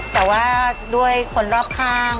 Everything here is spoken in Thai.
แต่ว่าด้วยคนรอบข้าง